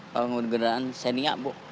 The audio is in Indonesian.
penggunakan kendaraan senia bu